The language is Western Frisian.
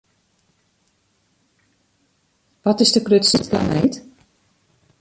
Wat is de grutste planeet?